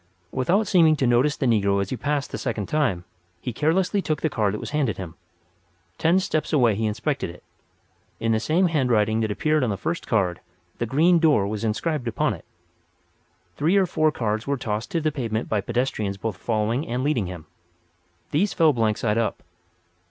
Without seeming to notice the negro as he passed the second time, he carelessly took the card that was handed him. Ten steps away he inspected it. In the same handwriting that appeared on the first card "The Green Door" was inscribed upon it. Three or four cards were tossed to the pavement by pedestrians both following and leading him. These fell blank side up.